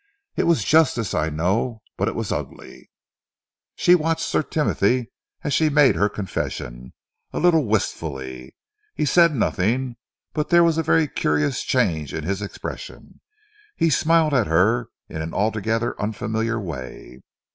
It was justice, I know, but it was ugly." She watched Sir Timothy, as she made her confession, a little wistfully. He said nothing, but there was a very curious change in his expression. He smiled at her in an altogether unfamiliar way.